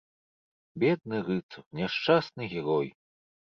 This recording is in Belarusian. Бедны рыцар, няшчасны герой!